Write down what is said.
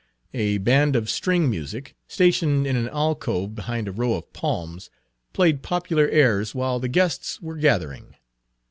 A band of string music, stationed in an alcove behind a row of palms, played popular airs while the guests were gathering.